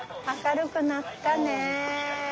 明るくなったね。